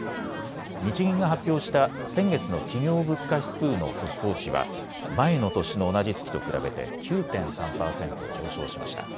日銀が発表した先月の企業物価指数の速報値は前の年の同じ月と比べて９．３％上昇しました。